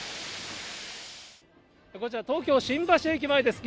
こちら、東京・新橋駅前です。